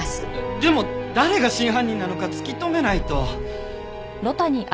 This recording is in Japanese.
でも誰が真犯人なのか突き止めないと。